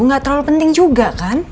nggak terlalu penting juga kan